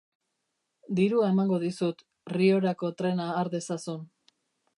Dirua emango dizut, Riorako trena har dezazun.